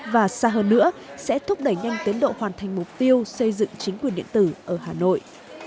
và xa hơn nữa sẽ thúc đẩy nhanh tiến độ hoàn thành mục tiêu xây dựng chính quyền điện tử ở hà nội